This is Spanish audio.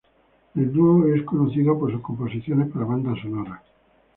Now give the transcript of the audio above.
El dúo es conocido por sus composiciones para bandas sonoras.